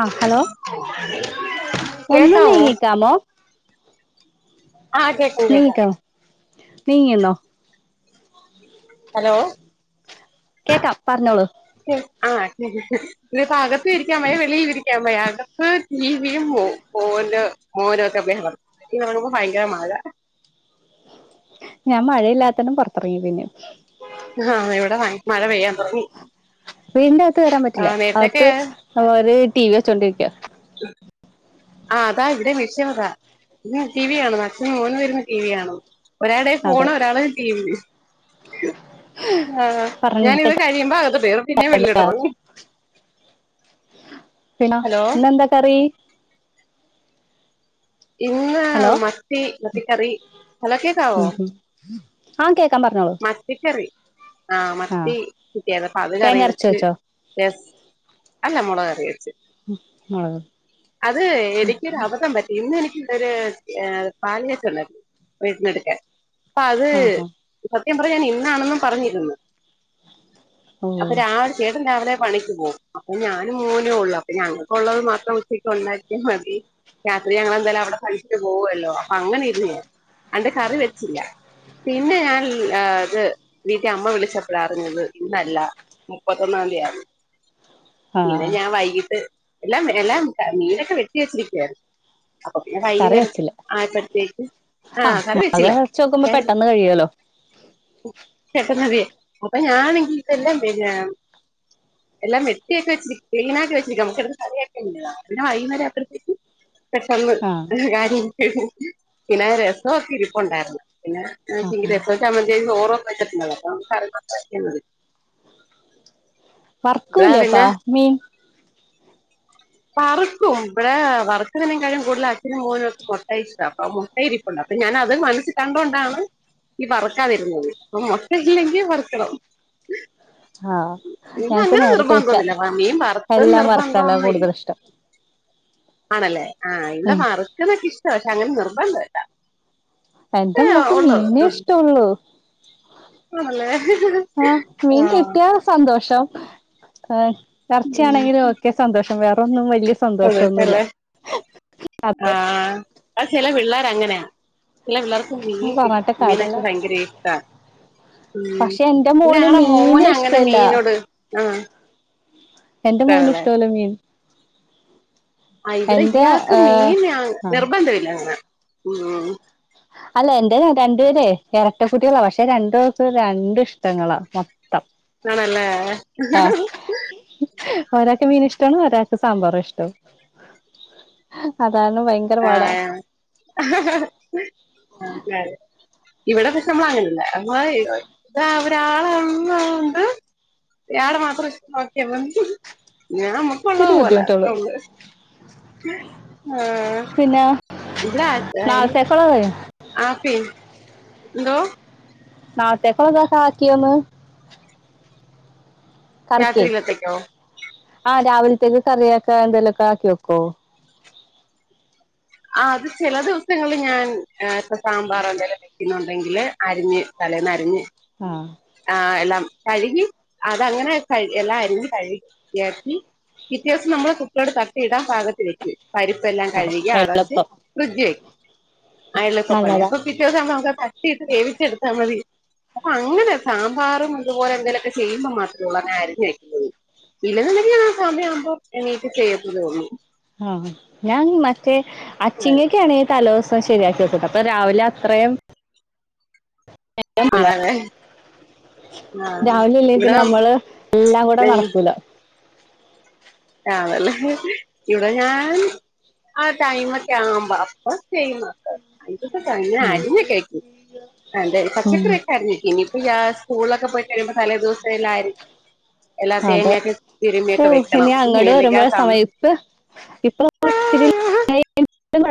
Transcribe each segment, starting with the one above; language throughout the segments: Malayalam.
ആഹ് ഹലോ കേക്കാവോ ഹലോ ആഹ് കേ നീ [unintelligible] നീങ്ങിന്നോ ഹലോ കേക്കാം പറഞ്ഞോളൂ [unintelligible] ആഹ് ഇതിപ്പോ അകത്തും ഇരിക്കാൻ വെയ്യാ വെളിയിൽ ഇരിക്കാൻ വെയ്യാ അകത്ത് ടിവിയും മോ മോനു മോനും ഒക്കെ ബഹളം ഇന്നാവുമ്പോ ഭയങ്കര മഴ ഞാൻ മഴയില്ലാത്തപ്പോ പൊറത്തറങ്ങി പിന്നെ ആഹ് ഇവിടെ മഴ പെയ്യാൻ തൊടങ്ങി വീടിന്റെ അകത്ത് കേറാൻ പറ്റില്ല അകത്ത് ഓര് ടി വി വെച്ചോണ്ടിരിക്കാ [unintelligible] ആഹ് അതാ ഇവിടെ വിഷയമിതാ [unintelligible] ടി വി കാണുന്നു അച്ഛനും മോനും ഇരുന്ന് ടി വി കാണുന്നു ഒരാളുടെ കൈയിൽ അതെ ഫോണ് ഒരാള് ടി വി ആഹ് പറഞ്ഞിട്ട് ഞാനിത് കഴിയുമ്പോ അകത്തോട്ട് കേറും പിന്നെം കാര്യല്ല വെളിയോട്ട് ഇറങ്ങും പിന്നെ ഹലോ ഇന്നെന്താ കറി ഇന്ന് ഹലോ മത്തി മത്തി കറി ഹലോ കേക്കാവോ ആം കേക്കാം പറഞ്ഞോളൂ മത്തിക്കറി ആഹ് മത്തി കിട്ടിയാരുന്നു അപ്പൊ അത് കറി തേങ്ങ അരച്ച് വെച്ചു വെച്ചോ യെസ് അല്ല മുളക് കറി വെച്ചു മുളക് അത് എനിക്ക്‌ ഒരു അബദ്ധം പറ്റി ഇന്ന് എനിക്ക്‌ ഒര് പാല്കാച്ചൽ ഇണ്ടായിരുന്നു വീട്ടിനടുക്കെ അപ്പോ അത് ആഹ് ആഹ് സത്യം പറഞ്ഞി ഞാൻ ഇന്നാണെന്ന് പറഞ്ഞിരുന്നു ഓ അപ്പൊ രാ ചേട്ടൻ രാവിലെ പണിക്ക് പോകും അപ്പോ ഞാനും മോനും ഒള്ളു അപ്പൊ ഞങ്ങൾക്കുള്ളത് മാത്രം ഉച്ചക്ക് ഉണ്ടാക്കിയാൽ മതി രാത്രി ഞങ്ങളെന്താലും അവിടെ [unintelligible] പോവല്ലോ അപ്പോ അങ്ങനെ ഇന്ന് എന്നിട്ട് കറി വെച്ചില്ല പിന്നെ ഞാൻ ആഹ് അത് വീട്ടി അമ്മ വിളിച്ചപ്പളാ അറിഞ്ഞത് ഇന്നല്ല മുപ്പത്തൊന്നാം തീയതിയാന്ന് പിന്നെ ആഹ് ഞാൻ വൈകിട്ട് എല്ലാം എല്ലാം മീനൊക്കെ വെട്ടി വെച്ചിരിക്കാരുന്നു അപ്പൊ പിന്നെ കറി വൈകുന്നേരം വെച്ചില്ല ആയപ്പോഴത്തേക്ക് ആഹ് കറി മുളക് വെച്ചില്ല അരച്ച് വെക്കുമ്പോ പെട്ടെന്ന് കഴിയോല്ലോ [unintelligible] അപ്പോ ഞാണെങ്കിൽ എല്ലാം വര്യ എല്ലാം വെട്ടിയൊക്കെ വെച്ചിരി ക്ലീൻ ആക്കി വെച്ചിരിക്കാ നമുക്ക്‌ എടുത്ത് കറി ആക്കിയാ മതി പിന്നെ വൈകുന്നേരായപ്പത്തേക്ക് പെട്ടെന്ന് ആഹ് കാര്യം ഒക്കെ പിന്നെ രസൊക്കെ ഇരിപ്പുണ്ടായിരുന്നു പിന്നെ ആഹ് രസോം ചമ്മന്തിം ചോറോക്കെ വെച്ചിട്ടുണ്ടാരുന്നു അപ്പം കറിണ്ടാക്കിയാൽ മതി ഇവിടെ വറക്കൂലേപ്പൊ പിന്നെ മീൻ വറുക്കും ഇവിടെ വറക്കുന്നതിനേകാൾ കൂടുതൽ അച്ഛനും മോനും ഒക്കെ മോട്ടയ ഇഷ്ടം അപ്പൊ മുട്ട ഇരി ട്ടുണ്ട് അപ്പോ ഞാന് അത് മനസ്സിൽ കണ്ടോണ്ടാണ് ഈ വറ്ക്കാതിരുന്നത് അപ്പോ മൊട്ട ഇല്ലെങ്കിൽ വറക്കണം ആഹ് ഇപ്പ ഞങ്ങക്ക് അങ്ങനെ നേരെ നിർബന്ധം തിരിച്ചാ ഒന്നുമല്ല മീൻ വറുത്ത് എല്ലാം നിർബന്ധം വറക്കല ഒന്നും ഇല്ല കൂടുതൽ ഇഷ്ടം ആണല്ലേ ആഹ് ഇവിടെ ഉം വറക്കുന്നൊക്കെ ഇഷ്ടവാ പക്ഷേ അങ്ങനെ നിർബന്ധം ഇല്ല എന്റെ മോക്ക് മീനെ ഇഷ്ട്ടൊള്ളൂ. ആണല്ലേ ആഹ് ആ മീൻ കിട്ട്യാ സന്തോഷം എഹ് ഉം. എറച്ചിയാണെങ്കിലും ഓക്കെ സന്തോഷം. വേറൊന്നും വല്യ സന്തോഷല്ലേ അത് ആഹ് അത് ചെല പിള്ളാര് അങ്ങനെയാ. ചെല പിള്ളാർക്കും മീൻ കിട്ട് പറഞ്ഞിട്ട് മീനക്ക കാര്യല്ല ഭയങ്കര ഇഷ്ടാ. ഉം പക്ഷെ എന്റെ ഇവട മോന് ഞങ്ങടെ മീന് മോനങ്ങനെ ഇഷ്ടല്ല മീനോട് ആഹ് എന്റ മോന് ഇഷ്ടവല്ല മീൻ. ആഹ് ഇവിടെ എന്റെ ഇയാക്ക് ഏഹ് മീൻയങ് ആഹ് നിർബന്ധവില്ല അങ്ങന ഉം. അല്ല എൻ്റെ രണ്ട്പേരെ എരട്ട കുട്ടികളാ പക്ഷെ രണ്ട് പേർക്കും രണ്ട് ഇഷ്ടങ്ങളാ. മൊ ത്തം. ആണല്ലേ. ഒരാക്ക് മീനിഷ്ടാണ് ഒരാക്ക് സാമ്പാറുവാ ഇഷ്ടം. അതാണ് ഭയ ആഹ്. [unintelligible] ഇവട പക്ഷെ നമ്മളങ്ങനല്ല. [unintelligible] റ്റാളൊള്ളോണ്ട് ഇയാട മാത്രം ഇഷ്ടം നോക്കിയാ മതി. ഞാൻ മൊ പ്പ ഇത്തിരി ഒള്ളത് പോലെ അത്ര ബുദ്ധിമുട്ടുള്ളൂ ഒള്ള് ആഹ് പിന്നേ ഇവട ആത് അയ്ന് കൊള്ളാതായോ [unintelligible] എന്തോ? നാളത്തേക്കൊള്ളതൊക്കെ ആക്കിയോന്ന്. കറിക്കെ. രാത്രിയിലത്തേക്കോ ആഹ് രാവിൽത്തേക്ക് കറിയാക്കാൻ എന്തെലൊക്കെ ആക്കി വെക്കോ? ആഹ് അത് ചെല ദിവസങ്ങളില് ഞാൻ ഏഹ് ഇപ്പ സാമ്പാറോ എന്തെലും വെക്ക്‌ന്നൊണ്ടെങ്കില് അരിഞ്ഞ് തലേന്നരിഞ്ഞ് ആഹ് ആഹ് എല്ലാം കഴ്‌കി അതങ്ങനെ കഴ്‌ എല്ലാം അരിഞ്ഞ് കഴ്കി വൃത്തിയാക്കി, പിറ്റ്യോസം നമ്മള് കുക്കറോട്ട് തട്ടി ഇടാം പാകത്തി വെക്കും. പരിപ്പെല്ലാം ആഹ് കഴ്കി അടച്ച് എളുപ്പം ഫ്രിഡ്ജി വെക്കും. ആഹ് എളുപ്പ പണി. നല്ലതാ അപ്പം പിറ്റോസാവുമ്പം നമുക്കത് തട്ടിയിട്ട് വേവിച്ചെടുത്താമതി. അപ്പ അങ്ങനെ. സാമ്പാറും ഇത്പോലെ എന്തേലൊക്കെ ചെയ്യുമ്പം മാത്രേ ഒള്ളൂ അങ്ങനെ അരിഞ്ഞ് വെയ്ക്കുന്നത്. പിന്നേ ന്ന്ണ്ടെങ്കി ഞാനാ സമയാവുമ്പം എണീറ്റ് ചെയ്യത്തതെ ഒള്ളൂ. ആഹ് ഞാനിനി മറ്റേ അച്ചിങ്ങ്യക്കാണെ തലോസം ശരിയാക്കി വെക്കുട്ടാ. അപ്പ രാവിലെ അത്രേം ആണല്ലെ. രാവിലല്ലെ ഇവിടെ പിന്നെ നമ്മള് എല്ലാം കൂടെ നടക്കൂല. ആണല്ലെ ഇവ്ട ഞാൻ ആ ടൈമൊക്കെ ആവ്മ്പം അപ്പം ചെയ്യുന്നത്. ഇതൊക്കെ തന്നെ അരിഞ്ഞെക്കെ വെയ്ക്കും. അതെ ഉം പച്ചക്കറിയൊക്കെ അരിഞ്ഞ് വെയ്ക്കും. ഇനി ഇപ്പ ഞാ സ്കൂൾലൊക്കെ പോയ് കഴിയുമ്പ തലേ ദിവസ് സത്തെ എല്ലാ അരി എല്ലാ അതെ തേങ്ങയൊക്കെ ഓ തിരുമ്മിയൊക്കെ വെക്കണം. ഇനി അങ്ങട് ഇല്ലെങ്കി ആ വര്മ്പഴാ സം സമയത്ത് ഇപ്പ ഇപ്പള് [unintelligible] ഇത്തിരി [unintelligible]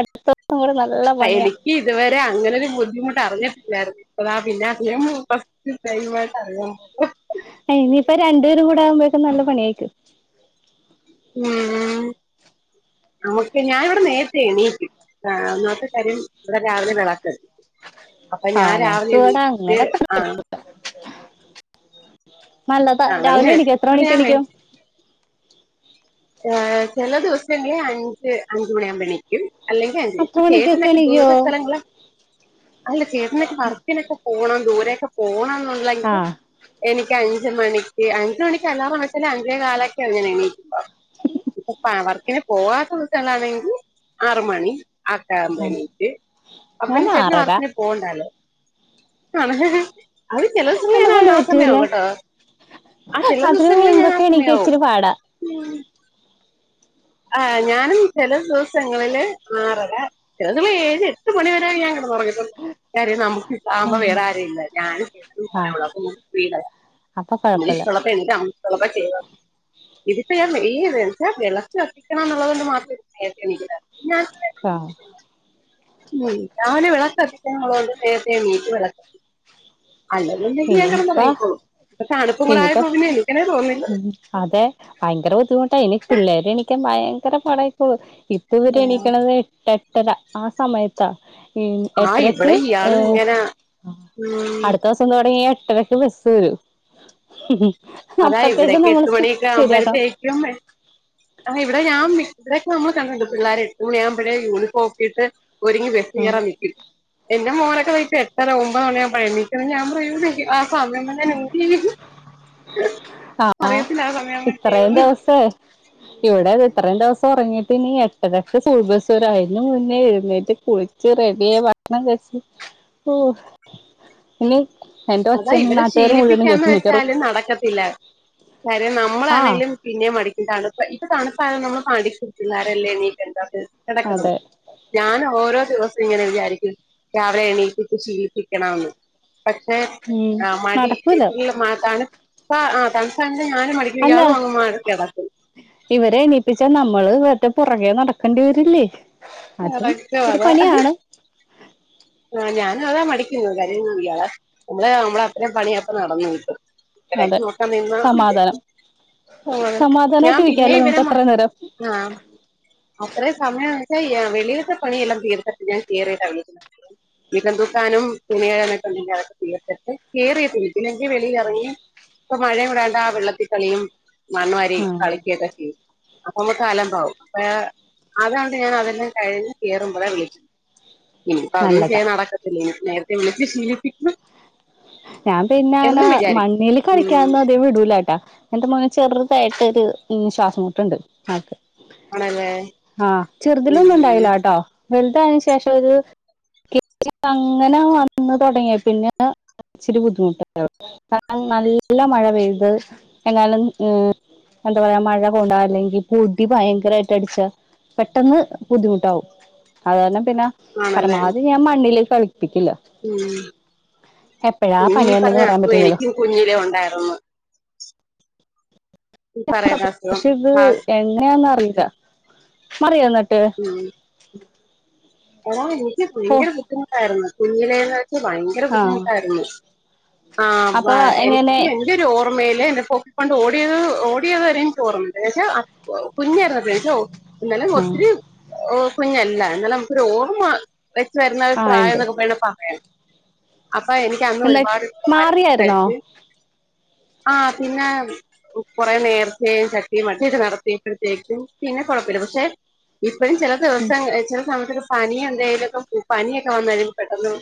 അട് ത്തങ്ങട് നല്ല [unintelligible] എനിക്ക് ഇത് വരെ അങ്ങനൊര് ബുദ്ധിമുട്ട് അറിഞ്ഞ്ട്ടില്ലാര്ന്ന്. ഇപ്പളാ പിന്നെ [unintelligible] അഹ് ഇനീപ്പ രണ്ട് പേരും കൂടെ ആവ്മ്പഴെക്ക്‌ നല്ല പണിയായ്ക്കും ഉം നമുക്കെ ഞാ ഇവട നേരത്തെ എണീക്കും ആഹ് ഒന്നാമത്തെ കാര്യം ഇവട രാവിലെ [unintelligible] അപ്പ ആ ഞാ രാവ്ലെ ഞങ്ങക്ക് ഇവിടെ എണീറ്റ് അങ്ങനെ ആഹ് നല്ലതാ ആണല്ലെ രാവിലെ എണീക്കും എത്ര മണിക്ക് ഞാ എണീക്കും യാ ചെല ദിവസ ഇനി അഞ്ച് അഞ്ച് മണി ആവ്മ്പ എണീ ക്കും അല്ലെങ്കി പത്ത് അഞ്ചെത്ത് മണിക്കൊക്കെ ചേട്ടനൊക്ക ദൂര എണീക്കോ സ്ഥലങ്ങള് അല്ല ചേട്ടനൊക്കെ വർക്കിനൊക്കെ പോണം ദൂരെക്ക ആ പോണന്നൊള്ളങ്കി എനിക്ക് അഞ്ച് മണിക്ക് അഞ്ച് മണിക്ക് അലാറം വെച്ചാല് അഞ്ചേ കാലൊക്കെ അങ്ങനെ എണീകാൻ ഉ [unintelligible] ഇപ്പ ആഹ് വർക്കിന് പോവാത്ത [unintelligible] ണെങ്കിൽ ആറ് മണി [unintelligible] എണീറ്റ് ഞാൻ [unintelligible] ചേട്ടന് ആറര വർക്ക്ന് പോണ്ടാല്ലോ [unintelligible] അത് ചെല എന്നെ സമയം കൊണ്ട് ആ പറ്റൂല സമയാവും കേട്ടോ ആഹ് ചെല അതിന് ദിവസങ്ങളിൽ ഞാൻ ആ മുൻപൊക്കെ എണീക്ക സമയാകും ഇച്ചിരി പാടാ ആഹ് ഞാനും ചെല ദിവസങ്ങളില് ആറര [unintelligible] ഏയ് എട്ട് മണിവരെ ഞാൻ കിടന്നുറങ്ങിയിട്ടു നമുക്ക് ആവുമ്പോ ഉം. വേറെ ആരേ ഇല്ല ഞാനും ആ [unintelligible] അപ്പൊ കൊഴപ്പല്ല [unintelligible] ചെയ്യ ഇത്പ്പ [unintelligible] ശ്രദ്ധിക്കണം എന്നത് കൊണ്ട് മാത്ര നേരത്തെ എണീക്കുന്നത് ഞാൻ ആഹ് [unintelligible] വിളക്ക് കത്തിക്കാൻ ഓളോട് നേരത്തെ എണീറ്റ് വിളക്ക് അല്ലെങ്കിൽ ഞാൻ കിടന്നു ഇനിയിപ്പോ ഉറങ്ങിക്കോളൂ ഇപ്പൊ തണുപ്പും ഇനിയിപ്പോ [unintelligible] എനീക്കനെ തോന്നുന്നില്ല ഉം അതെ ഭയങ്കര ബുദ്ധിമുട്ടായി ഇനി പിള്ളേരെ എണിക്കാൻ ഭയങ്കര പാടായിക്കും ഇപ്പവരെ എണീക്ക്ണത്- എട്ടര ആഹ് സമയത്താ ആ എട്ട്രക്ക് ഇവിടെ ഇയാളും ഏഹ് ഇങ്ങനെ ഉം അടുത്ത ദിവസം തുടങ്ങി എട്ടരക്ക് ബസ്സ് വരും അതാ അപ്പത്തേക്ക് ഇവിടേക്ക് നമ്മള് എട്ട് മണിയൊക്കെ ശരിയാക്കണം [unintelligible] ആഹ് ഇവിടെ ഞാൻ ഇവിടൊക്കെ നമ്മള് കണ്ടിട്ടുണ്ട് പിള്ളേരെ എട്ട് മണിയാകുമ്പയേ യൂണിഫോം ഒക്കിട്ട് ഒരുങ്ങി ബസ് ഉം കയറൻ നിൽക്കും എന്റെ മോ [unintelligible] എട്ട് എട്ടര ഒൻമ്പത് മണി ആവുമ്പഴേ എണീക്കു ഞാൻ പറയും [unintelligible] സമയം തന്നെ [unintelligible] ആഹ് ആ സമയം എന്ത് ഇത്രയും ചെയ്യുമെന്ന് ദിവസേ ഇവിടെ ഇത്രയും ദിവസം ഒറങ്ങിയിട്ട് ഇനി എട്ടരക്ക് സ്കൂൾ ബസ് വരും അതിന്നു മുന്നേ എഴുന്നേറ്റ് കുളി ച്ച് റെഡിയായി ഭക്ഷണം കഴിച്ച് ഓഹ് ഇനി എന്റെ അതാ ഒച്ച ഇവരെ നാട്ടുകാർ മുഴുവനും ശീലിപ്പിക്കാന്ന് കേൾക്കു മിക്കവാറും വെച്ചാല് നടക്കത്തില്ല കാര്യം നമ്മൾ ആഹ് ആണെങ്കിലും പിന്നെ മടിക്ക തണുപ്പ ഇപ്പൊ തണുപ്പാല നമ്മള് അതെ [unintelligible] ഞാൻ ഓരോ ദിവസം ഇങ്ങനെ വിചാരിക്കും രാവിലെ എണീപ്പിച്ച് ശീലിപ്പിക്കണം എന്ന്. പക്ഷെ. ഉം ആഹ് മടി നടക്കൂല തണുപ്പാ ആഹ് തണുപ്പാ [unintelligible] ഞാനും മടിക്കും അല്ല ഇയാളും അങ്ങ് കിടക്കും. ഇവരെ എണീപ്പിച്ചാൽ നമ്മള് വെറുതെ പുറകെ നടക്കേണ്ടി വരില്ലേ? അതും നടക്കും ഒരു പണിയാണ് ആ ഞാൻ അതാ മടിക്കുന്നു കാര്യം ഒന്നും ഇല്ലാ നമ്മള അത്തരം പണിയപ്പം നടന്നു കിട്ടും. ഇവരെ ഒക്കെ അതെ നോക്കാ നിന്നാ സമാധാനം ഞാൻ സമാധാനായിട്ട് പിന്നെ ഇരിക്കാല്ലോ ഇവരെ നമുക്ക് അത്ര നേരം ആഹ് അത്രയും സമയം വെച്ചാൽ വെളിയിൽത്തെ പണിയെല്ലാം തീർത്തിട്ട് ഞാൻ കയറിട്ടാ വിളിക്കുന്നത്. മിറ്റം തൂക്കാനും തുണി [inaudible] ഉണ്ടെങ്കിൽ അതൊക്കെ തീർത്തിട്ട് കയറിയിട്ട് വിളിക്കും അല്ലെങ്കിൽ വെളിയിലിറങ്ങി ഇപ്പൊ മഴയും ഇടാണ്ട് ആ വെള്ളത്തി കളിയും മണ്ണ് വാരി ആഹ് കളിക്കു ഒക്കെ ചെയ്യും. അപ്പൊ നമ്മുക്ക് അലംമ്പാവും അപ്പൊ അതണ്ട് ഞാൻ അതെല്ലാം കഴിഞ്ഞ് കയറുമ്പോഴാ വിളിക്കുന്നത്. ഇ ഇപ്പ അന്നും നല്ലതാ ചെയ്യാൻ നടക്കത്തില്ല ഇനി നേരത്തെ വിളിച്ച് ശീലിപ്പിക്കുണം ഞാൻ പിന്നെ അങ്ങനെ മണ്ണിൽ ഉം കളിക്കാനൊന്നും അതികം വിടൂലട്ടാേ എന്റെ മോനാണെങ്കിൽ ചെറുതായിട്ടൊ ഒരു ശ്വാസംമുട്ടുണ്ട് ആൾക്ക് ആണല്ലേ ആഹ് ചെറുതിലൊന്നും ഉം ഉണ്ടായില്ലാട്ടോ. വലുതായതിന് ശേഷം ഒരു [inaudible] അങ്ങനെ വന്ന് തുടങ്ങിയ പിന്നെ ഇച്ചിരി ബുദ്ധിമുട്ട്ണ്ട് കാരണം നല്ല മഴ പെയ്ത് എന്നാലും ഏ എന്താ പറയാ മഴ കൊണ്ടാൽ അല്ലെങ്കിൽ പൊടി ഭയങ്കരമായിട്ട് അടിച്ച പെട്ടെന്ന് ബുദ്ധിമുട്ടാവും അത് കാരണം പിന്നെ ആണല്ലേ പരമാവധി ഞാൻ മണ്ണിലേക്ക് കളിപ്പിക്കില്ല. എപ്പഴാ ഉം പണി നീ വരുന്നേന്ന് പറഞ്ഞ പറയാൻ അസുഖം പറ്റില്ലല്ലോ എനിക്കും കുഞ്ഞിലേ ഒണ്ടായിര്ന്ന്. ഈ പറയുന്ന അസുഖം പക്ഷെ ഇത് ആ എങ്ങനെയാന്ന് അറിയില്ല മാറിയോ എന്നിട്ട് ഉം എടാ എനിക്ക് ഓ ഭയങ്കര ബുദ്ധിമുട്ടായ്ര്ന്ന് കുഞ്ഞിലേന്ന് വെച്ച് ഭയ ഭയങ്കര ആഹ് ബുദ്ധിമുട്ടാര്ന്ന് ആ വ അപ്പൊ എനിക്ക് എങ്ങനെ എനി എന്റെ ഒരു ഓർമ്മയിയില് എന്റെ പൊക്കിക്കോണ്ട് ഓടിയത് ഓടിയത് ഓർമ്മണ്ട് പക്ഷെ കുഞ്ഞയ്ര്ന്നപ്പഴാ എനിക്ക് ഒ ന്നാലും ആഹ് ഒത്തിരി കുഞ്ഞല്ല എന്നാലു നമുക്കൊരു ഓർമ്മ വെച്ച് വരുന്ന ഒരു ആഹ് പ്രായം ഇണ്ട് എന്നൊക്കെ പറയണ ഒര് സമയം അപ്പൊ എനിക്ക് എനിക്ക് അന്ന് എന്ത ഒരുപാട്ഇഷ്ട്ടം ആയിരുന്നു മാറിയായിരുന്നോ കരിക്ക് ആ പിന്നെ കൊറെ നേർച്ചയും ചട്ടിയും മറ്റെ ഇത് നടത്തിയപ്പോഴത്തേക്കും പിന്നെ കൊഴപ്പല്ല പക്ഷെ ഇപ്പഴും ചെല ഉം ദിവസങ്ങള് ചെല സമത്ത് പനി എന്തേലോക്കെ പനിയൊക്കെ വന്നാലും പെട്ടെന്ന്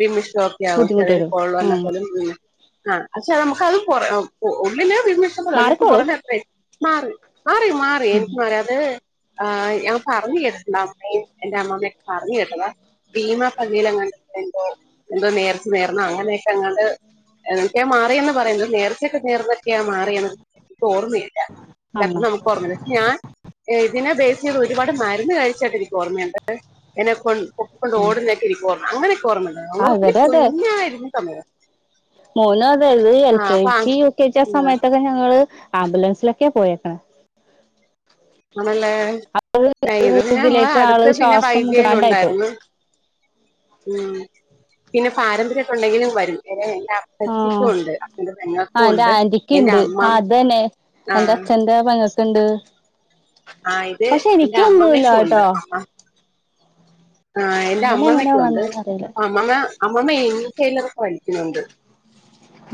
വിമിഷ്ട്ടാ ബുദ്ധിമുട്ട് ചെറിയൊരു വരും [unintelligible] ന്ന് ഉം കത് ആ പക്ഷെ നമുക്ക്ത് കൊ ഉള്ളിലെ വി എനിക്ക് പുറ മാറിക്കോളും എത്ര മാറി മാറി മാറി എനിക്ക് മാറി അത് ആ ഞാൻ പറഞ്ഞ് കേട്ടിട്ട് അമ്മയും എന്റെ അമ്മമ്മ ഒക്കെ പറഞ്ഞ് കേട്ടതാ ഭീമ പള്ളില് എങ്ങണ്ടോ എന്തോ നേർച്ച നേർന്ന് അങ്ങനെയൊക്കെ എങ്ങാണ്ട് എന്തൊക്കെയാ മാറിന്ന് പറയുന്നു നേർച്ചക്കെ നേർന്ന് ഒക്കെയാ മാറിയെന്ന് എനിക്ക് ഓർമ്മയില്ല. ആണോ [inaudible] ഓർമ ഇല്ല ഞാൻ ഇതിനെ ബേസ് ചെയ്ത് ഒരുപാട് മരുന്ന് കഴിച്ചായിട്ട് എനിക്ക് ഓർമ്മയ്ണ്ട്. എന്നെ കൊ കൊപ്പ ഓടുന്നക്കെ ഇരിക അങ്ങനൊക്കെഓർമ്മണ്ട് അത് ആഹ് ഒത്തിരി ഇവരെ കുഞ്ഞായിരുന്ന സമയ മോനോ അതായത് എൽ കെ അപ്പൊ ജി അ- യു കെ ജി ആ സമയത്തൊക്കെ ഞങ്ങള് ആംബുലൻസിലൊക്കെ പോയേക്ക്ണെ. ആണല്ലേ ഇത് പിന്നെ ഞങ്ങളെ ഇതിലേക്ക് ആള് അടുത്ത് പിന്നെ ശ്വാസം വൈദ്യേനും കിട്ടാണ്ടായിപ്പോ ഉണ്ടായിര്ന്നു. ഉം പിന്നെ പാരമ്പര്യക്കെ ഉണ്ടെങ്കിലും വരും. [unintelligible] എലച്ചിക്കും ആഹ് ഉണ്ട് അച്ഛന്റെ പെങ്ങക്കും ആഹ് എന്റെ ഉണ്ട് ആന്റിക്ക് എന്റെ ഇണ്ട് അമ്മ അതന്നെ ആ എന്റെ അച്ഛന്റെ പെങ്ങക്ക്ണ്ട്. ആ ഇത് പഷെ എന്റെ എനിക്കൊന്നുംല്ല അമ്മാമ്മയ്ക്കും ട്ടോ. ഉണ്ട് അമ്മ ആഹ് എന്റെ അമ്മമ്മ എങ്ങനെയാ യ്ക്കുണ്ട് വന്നേന്ന് അറിയില്ല ആ അമ്മമ്മ അമ്മമ്മ യുകെയിലോക്കെ പഠിക്കുന്നുണ്ട്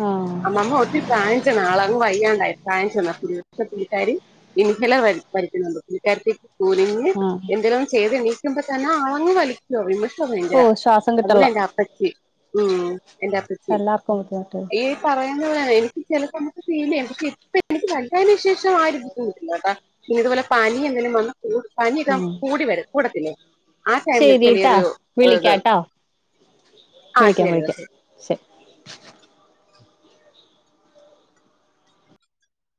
ആഹ് അമ്മമ്മ ഇത്തിരി പ്രായചെന്ന ആളാ അങ് വയ്യാണ്ടായി പ്രായചെന്ന [unintelligible] പുള്ളികാരി ഇന്ഹലർ വലി വലിക്കുന്നുണ്ട് പുള്ളികാര്ത്തി കൂനിഞ്ഞ് ആഹ് എന്തെലുന്ന് ചെയ്ത് എനീക്കുമ്പോ തന്നെ ആളങ്ങ് വലി വിമ്മിഷ്ട്ടം [unintelligible] ഓഹ് ശ്വാസം അതുപോലെ കിട്ടണില്ല എന്റെ അപ്പച്ചി ഉം. എന്റെ അപ്പച്ചി എല്ലാർക്കും ബുദ്ധിമുട്ട് ഈ പറയുന്ന പോലെല്ല എനിക്ക് ചെല സമയത്ത് ഫീലയ്യും പക്ഷെ ഇപ്പ എനിക്ക് വൽതായെന് ശേഷം ആരി [unintelligible] ട്ടാ. ഇതുപോലെ പനി എന്തെലും വന്ന് കൂടും പനി ഇതാ ആഹ് കൂടി വരും കൂടത്തില്ലെ ശരിട്ടാ ഇത് വിളിക്ക്യാട്ടോ ആ വിളിക്ക്യാം ശരി വിളിക്ക്യാം ശരി ശരി.